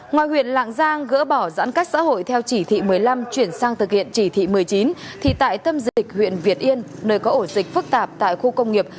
ngoài huyện lạng giang gỡ bỏ giãn cách xã hội theo chỉ thị một mươi năm chuyển sang thực hiện chỉ thị một mươi chín thì tại tâm dịch huyện việt yên nơi có ổ dịch phức tạp tại khu công nghiệp